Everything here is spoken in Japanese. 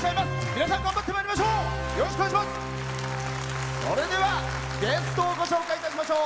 皆さん、頑張ってまいりましょう。